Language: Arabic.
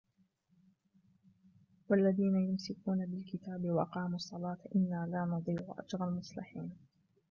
والذين يمسكون بالكتاب وأقاموا الصلاة إنا لا نضيع أجر المصلحين